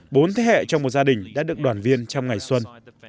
bốn thế hệ trong một gia đình đã được đoàn viên trong ngày xuân